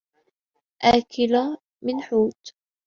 آكل من حوت